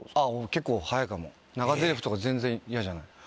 結構早いかも長ゼリフとか全然嫌じゃない。